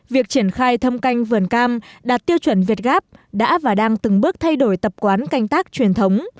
việc triển khai thâm canh vườn cam đạt tiêu chuẩn việt gáp đã và đang từng bước thay đổi tập quán canh tác truyền thống